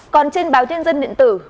còn trên báo tiên dân điện tử